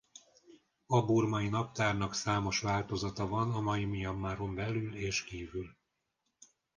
A burmai naptárnak számos változata van a mai Mianmaron belül és kívül.